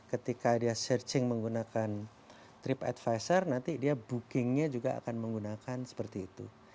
ketika dia searching menggunakan trip advisor nanti dia bookingnya juga akan menggunakan seperti itu